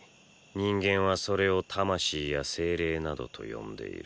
人間はそれを魂や精霊などと呼んでいる。